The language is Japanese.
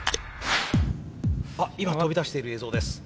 あ今飛び出している映像です。